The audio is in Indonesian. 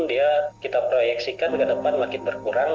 dia kita proyeksikan ke depan makin berkurang